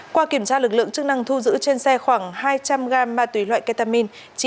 qua kiểm tra lực lượng chức năng thu giữ trên xe khoảng hai trăm linh gam ma túy loại ketamin